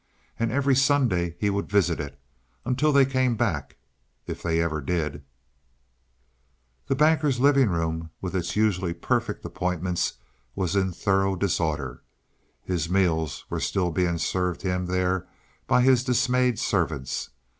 And every Sunday he would visit it; until they came back if they ever did. The Banker's living room with its usually perfect appointments was in thorough disorder. His meals were still being served him there by his dismayed servants.